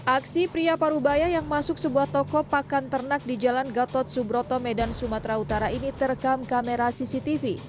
aksi pria parubaya yang masuk sebuah toko pakan ternak di jalan gatot subroto medan sumatera utara ini terekam kamera cctv